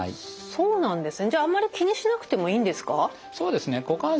そうなんですね。